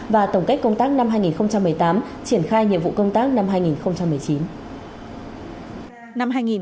và tổng kết công tác năm hai nghìn một mươi tám triển khai nhiệm vụ công tác năm hai nghìn một mươi chín